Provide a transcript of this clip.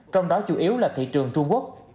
trong đó chủ yếu là thị trường trung quốc